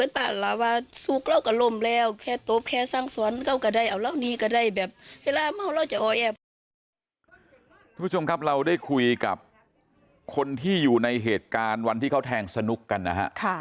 คุณผู้ชมครับเราได้คุยกับคนที่อยู่ในเหตุการณ์วันที่เขาแทงสนุกกันนะฮะ